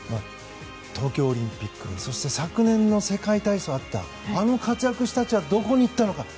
東京オリンピックそして昨年の世界体操があったあの活躍した人たちはどこに行ったのか。